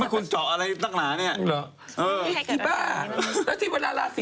ไม่คุณเจาะอะไรตั้งหนาเนี่ยเออพี่บ้านักศิษย์บรรดาลาศิริ